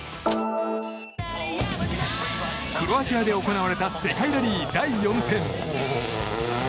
クロアチアで行われた世界ラリー第４戦。